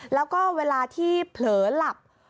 แล้วก็เวลาที่เผลอหลับ